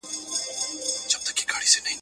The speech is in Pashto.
که مینه وي نو اخلاص وي.